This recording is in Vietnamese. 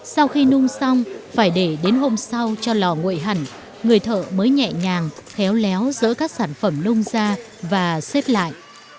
sau khi nung xong phải để đến hôm sau cho lò nguội hẳn người thợ mới nhẹ nhàng khéo léo giỡn các sản phẩm nung ra và xếp lại